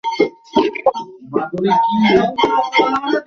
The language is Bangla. তুমি কি আমার মুখের উপর দরজাটা বন্ধ করে দিলে?